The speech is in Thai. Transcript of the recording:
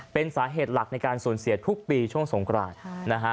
เป็นสาเหตุหลักในการสูญเสียทุกปีช่วงสงกรานนะฮะ